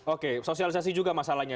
oke sosialisasi juga masalahnya